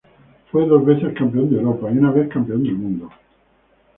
Fue dos veces campeón de Europa y una vez campeón del mundo.